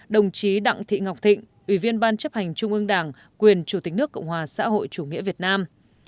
một mươi bảy đồng chí đặng thị ngọc thịnh ủy viên ban chấp hành trung ương đảng quyền chủ tịch nước cộng hòa xã hội chủ nghĩa việt nam